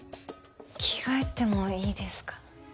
着替えてもいいですか？